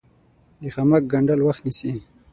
د خامک ګنډل وخت نیسي